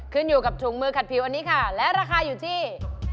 ขึ้นอยู่กับถุงมือขัดผิวอันนี้ค่ะและราคาอยู่ที่